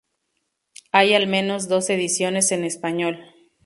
Hay al menos dos ediciones en español.